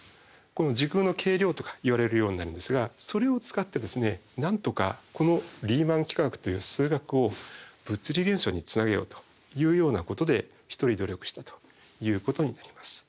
時空の計量とかいわれるようになるんですがそれを使ってなんとかこのリーマン幾何学という数学を物理現象につなげようというようなことで一人努力したということになります。